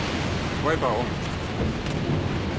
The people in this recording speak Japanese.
ワイパーオン！